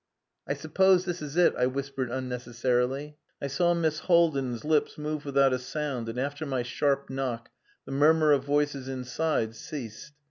"I suppose this is it," I whispered unnecessarily. I saw Miss Haldin's lips move without a sound, and after my sharp knock the murmur of voices inside ceased.